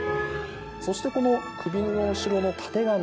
そしてこの首の後ろのたてがみ